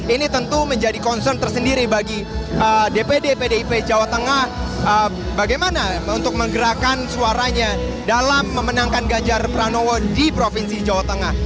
ini tentu menjadi concern tersendiri bagi dpd pdip jawa tengah bagaimana untuk menggerakkan suaranya dalam memenangkan ganjar pranowo di provinsi jawa tengah